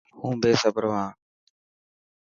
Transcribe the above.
هون بيصبرو هان.